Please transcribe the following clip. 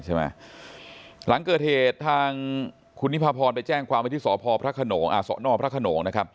หลังเกิดเหตุทางคุณนิพพรไปแจ้งความว่าที่สพพระโขนงสนพระโขนง